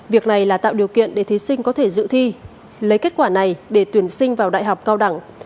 việc này là tạo điều kiện để thí sinh có thể dự thi lấy kết quả này để tuyển sinh vào đại học cao đẳng